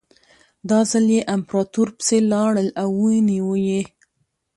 دا ځل یې امپراتور پسې لاړل او ونیو یې.